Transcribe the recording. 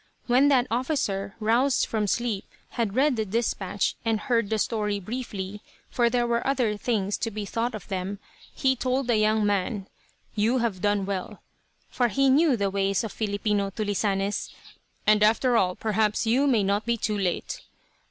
When that officer, roused from sleep, had read the dispatch and heard the story briefly, for there were other things to be thought of then, he told the young man, "You have done well," for he knew the ways of Filipino "tulisanes," "and after all perhaps you may not be too late."